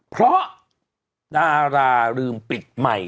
เพราะดาราลืมปิดใหม่